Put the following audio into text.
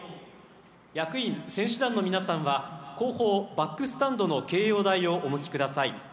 役員・選手団の皆さんは後方バックスタンドの掲揚台をお向きください。